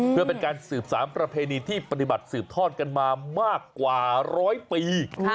เพื่อเป็นการสืบสารประเพณีที่ปฏิบัติสืบทอดกันมามากกว่าร้อยปี